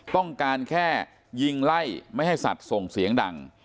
ต้องการแค่ยิงไล่ไม่ให้สัตว์ส่งเสียงดัง